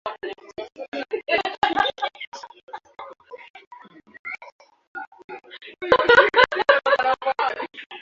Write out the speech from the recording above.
Wanyama wapatiwe chanjo ili kuwakinga na ugonjwa wa kimeta